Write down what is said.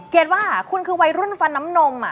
ว่าคุณคือวัยรุ่นฟันน้ำนม